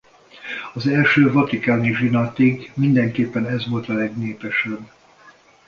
Az első vatikáni zsinatig mindenképpen ez volt a legnépesebb.